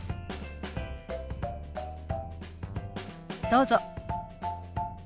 どうぞ。